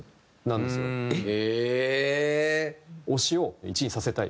推しを１位にさせたい。